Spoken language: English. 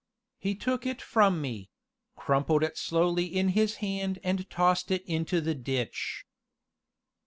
He took it from me crumpled it slowly in his hand and tossed it into the ditch.